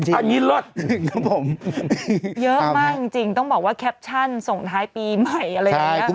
จบปีแบบนี้แล้วกัน